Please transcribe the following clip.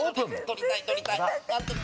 取りたい取りたい。